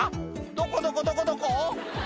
どこどこどこどこ？」